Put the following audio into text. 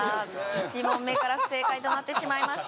１問目から不正解となってしまいました